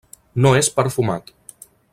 No és perfumat.